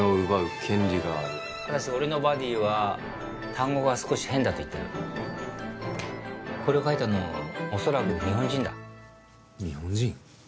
ただし俺のバディは単語が少し変だと言ってるこれを書いたの恐らく日本人だ日本人？